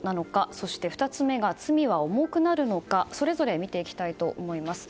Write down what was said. そして２つ目が罪は重くなるのかそれぞれ見ていきたいと思います。